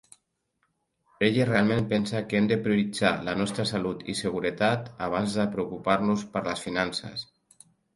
Ella realment pensa que hem de prioritzar la nostra salut i seguretat abans de preocupar-nos per les finances.